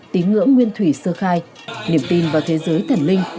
tín ngưỡng nguyên thủy sơ khai niềm tin vào thế giới thần linh